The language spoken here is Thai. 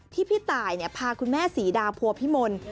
ที่พี่ตายพาคุณแม่ศรีดาพัวพิมนต์